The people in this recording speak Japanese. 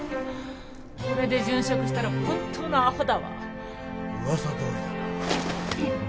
これで殉職したら本当のアホだわ。噂どおりだな。